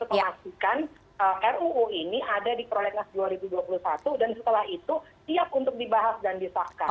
untuk memastikan ruu ini ada di prolegnas dua ribu dua puluh satu dan setelah itu siap untuk dibahas dan disahkan